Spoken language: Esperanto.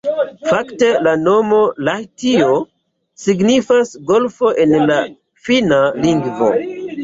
Fakte la nomo Lahtio signifas golfo en la finna lingvo.